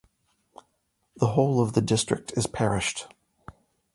The whole of the district is parished.